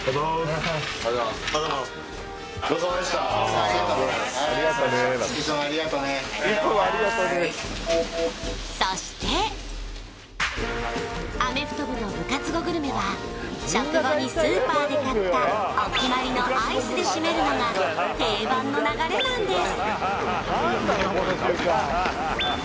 もうホントに・ありがとうございますアメフト部の部活後グルメは食後にスーパーで買ったお決まりのアイスで締めるのが定番の流れなんです